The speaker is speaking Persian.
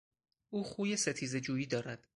او خوی ستیزهجویی دارد.